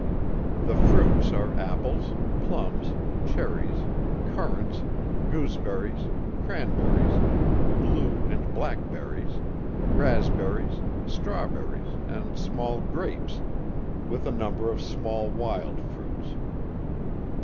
The fruits are Apples, Plums, Cherries, Currants, Gooseberries, Cranberries, Blue and Black Berries, Raspberries, Strawberries, and small Grapes, with a number of small wild fruits.